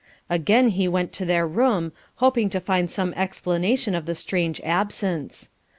Again he went to their room, hoping to find some explanation of the strange absence.